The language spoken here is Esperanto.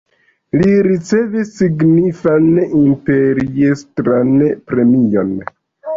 Li ricevis signifan imperiestran premion.